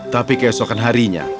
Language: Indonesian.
tapi keesokan harinya